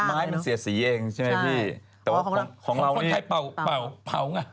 แต่นี่เลยเพราะว่าร้